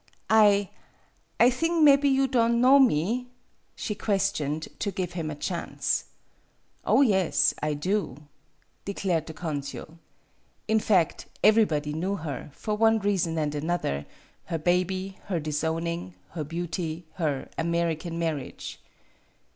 "I I thing mebby you don' know me ?" she questioned, to give him a chance. " Oh, yes, I do," declared the consul. In fact, everybody knew her, for one reason and another her baby, her disowning, her beauty, her "American" marriage.